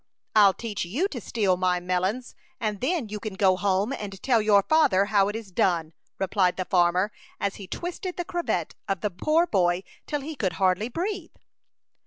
I'll teach you to steal my melons; and then you can go home and tell your father how it is done," replied the farmer, as he twisted the cravat of the poor boy till he could hardly breathe.